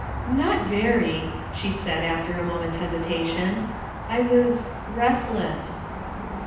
"Not very," she said after a moment's hesitation. "I was — restless."